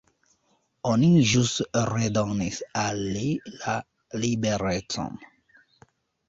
Oni ĵus redonis al li la liberecon.